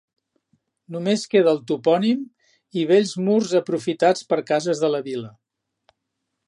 Només queda el topònim i vells murs aprofitats per cases de la vila.